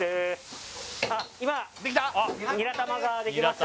今ニラ玉が出来ました